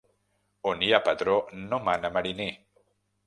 On hi ha patró no mana mariner.